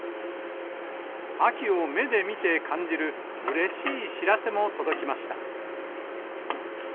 秋を目で見て感じる、うれしい知らせも届きました。